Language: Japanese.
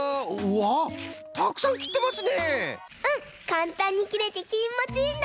かんたんにきれてきもちいいんだ！